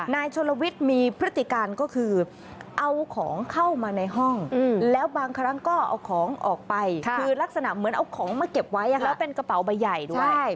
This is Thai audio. นายชนลวิทย์มีพฤติการก็คือเอาของเข้ามาในห้องแล้วบางครั้งก็เอาของออกไปคือลักษณะเหมือนเอาของมาเก็บไว้แล้วเป็นกระเป๋าใบใหญ่ด้วย